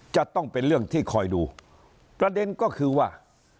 จะต้องเป็นเรื่องที่คอยดูประเด็นก็คือว่า